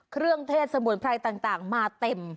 เครื่องเทศสมุนไพรต่างมาเต็ม